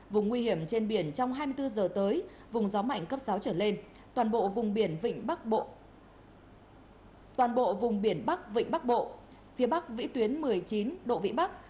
vùng nguy hiểm trên biển trong hai mươi bốn giờ tới vùng gió mạnh cấp sáu trở lên toàn bộ vùng biển bắc vịnh bắc bộ phía bắc vĩ tuyến một mươi chín độ vĩ bắc